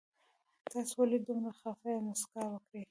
تاسو ولې دومره خفه يي مسکا وکړئ